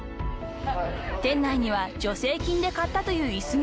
［店内には助成金で買ったという椅子が１脚だけ］